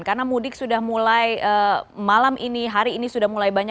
karena mudik sudah mulai malam ini hari ini sudah mulai banyak